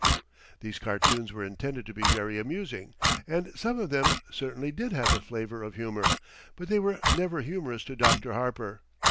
These cartoons were intended to be very amusing, and some of them certainly did have a flavour of humour, but they were never humorous to Dr. Harper.